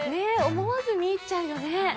思わず見入っちゃうよね